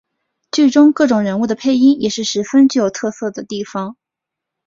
剧中各种人物的配音也是十分具有特色的地方。